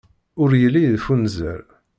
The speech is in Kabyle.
Ur yelli yeffunzer.